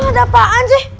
mau ada apaan sih